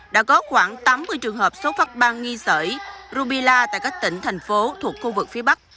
đã có khoảng tám mươi trường hợp số phát ban nghi sởi rubella tại các tỉnh thành phố thuộc khu vực phía bắc